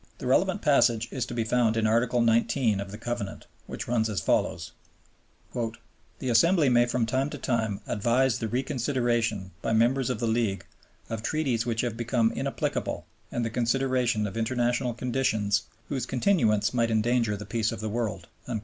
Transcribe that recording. The relevant passage is to be found in Article XIX. of the Covenant, which runs as follows: "The Assembly may from time to time advise the reconsideration by Members of the League of treaties which have become inapplicable and the consideration of international conditions whose continuance might endanger the peace of the world."